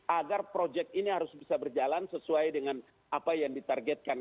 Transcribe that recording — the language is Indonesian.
agar proyek ini harus bisa berjalan sesuai dengan apa yang ditargetkan